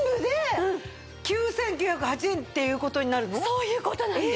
そういう事なんです！